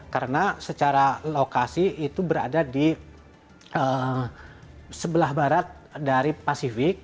karena secara lokasi itu berada di sebelah barat dari pasifik